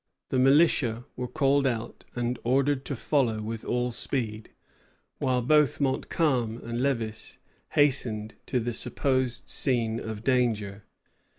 The militia were called out and ordered to follow with all speed, while both Montcalm and Lévis hastened to the supposed scene of danger.